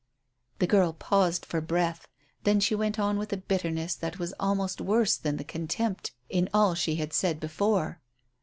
The girl paused for breath. Then she went on with a bitterness that was almost worse than the contempt in all she had said before.